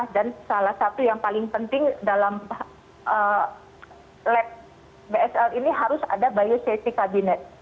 dan salah satu yang paling penting dalam lab bsl ini harus ada biosafety kabinet